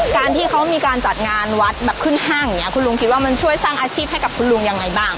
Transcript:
การที่เขามีการจัดงานวัดแบบขึ้นห้างอย่างนี้คุณลุงคิดว่ามันช่วยสร้างอาชีพให้กับคุณลุงยังไงบ้าง